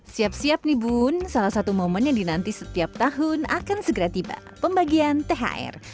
siap siap nih bun salah satu momen yang dinanti setiap tahun akan segera tiba pembagian thr